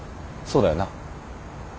そうだよな。